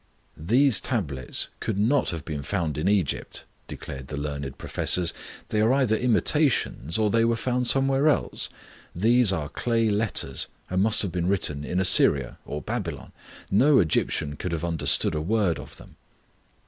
'These tablets could not have been found in Egypt,' decided the learned professors; 'they are either imitations, or they were found somewhere else. These are clay letters, and must have been written in Assyria or Babylonia. No Egyptian could have understood a word of them.'